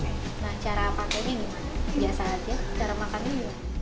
nah cara apa ini gimana biasa aja cara makan ini ya